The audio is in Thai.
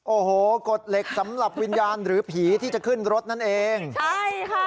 โอ้โหกฎเหล็กสำหรับวิญญาณหรือผีที่จะขึ้นรถนั่นเองใช่ค่ะ